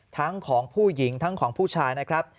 ทั้งของผู้หญิงทั้งของผู้ชายนะครับ